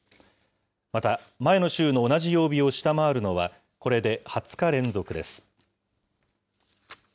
また、前の週の同じ曜日を下回るのは、これで２０日連続です。